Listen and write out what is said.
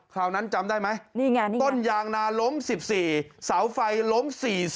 คราวนั้นจำได้มั้ยต้นยางหนาหลง๑๔สาวไฟหลง๔๐